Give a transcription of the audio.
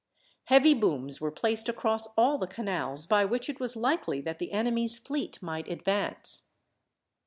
Heavy booms were placed across all the canals by which it was likely that the enemy's fleet might advance.